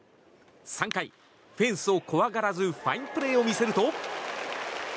３回、フェンスを怖がらずファインプレーを見せると。